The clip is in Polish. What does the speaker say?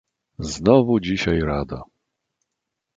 "Znowu dzisiaj rada."